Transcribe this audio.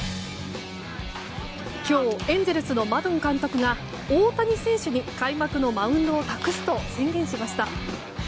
今日エンゼルスのマドン監督が大谷選手に開幕のマウンドを託すと宣言しました。